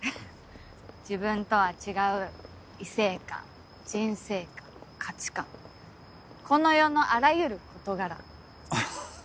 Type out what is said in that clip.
自分とは違う異性観人生観価値観この世のあらゆる事柄。